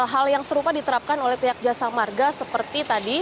hal yang serupa diterapkan oleh pihak jasa marga seperti tadi